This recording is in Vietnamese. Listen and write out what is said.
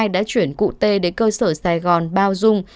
đã chuyển cụ tê đến cơ sở sài gòn bao dung